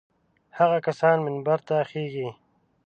هغه کسان منبر ته خېژي.